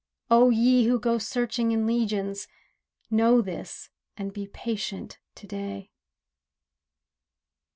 Oh ye who go searching in legions, Know this and be patient to day.